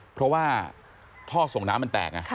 เพราะว่าท่อส่งน้ำมันแตกไง